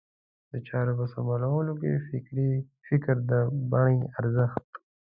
د چارو په سمبالولو کې د فکر د بڼې ارزښت.